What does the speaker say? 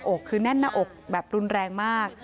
แม่บอกว่าแน่นหน้าอกคือแน่นหน้าอกแบบรุนแรงมาก